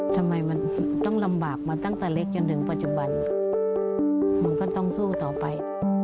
ทำไมมันต้องลำบากมาตั้งแต่เล็กจนถึงปัจจุบันมันก็ต้องสู้ต่อไป